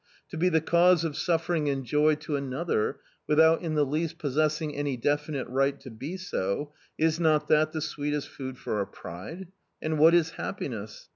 To be the cause of suffering and joy to another without in the least possessing any definite right to be so is not that the sweetest food for our pride? And what is happiness?